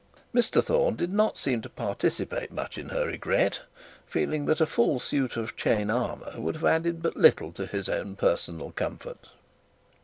Mr Thorne did not seem to participate in her regret, feeling perhaps that a full suit of chain armour would have added but little to his own personal comfort.